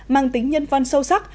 mang tính nhân văn sâu sắc